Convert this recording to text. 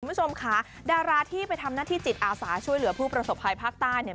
คุณผู้ชมค่ะดาราที่ไปทำหน้าที่จิตอาสาช่วยเหลือผู้ประสบภัยภาคใต้เนี่ย